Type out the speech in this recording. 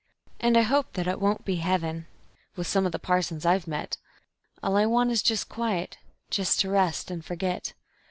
And I hope that it won't be heaven, with some of the parsons I've met All I want is just quiet, just to rest and forget.